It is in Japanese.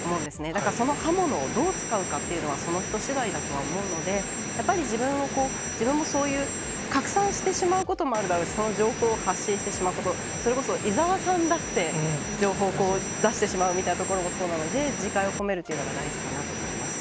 だから、その刃物をどう使うかというのはその人しだいだとは思うので、やっぱり自分も、そういう拡散してしまうこともあるだろうし、その情報を発信してしまうこと、それこそ伊沢さんだって、情報出してしまうみたいなところもそうなので、自戒を込めるというのが大事かなと思います。